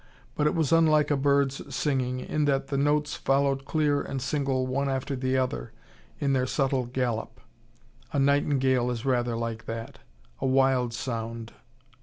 But it was unlike a bird's singing, in that the notes followed clear and single one after the other, in their subtle gallop. A nightingale is rather like that a wild sound.